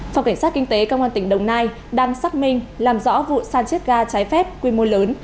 phòng cảnh sát kinh tế công an tỉnh đồng nai đang xác minh làm rõ vụ san chiết ga trái phép quy mô lớn